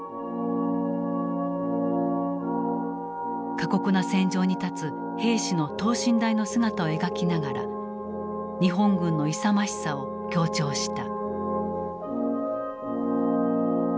過酷な戦場に立つ兵士の等身大の姿を描きながら日本軍の勇ましさを強調した。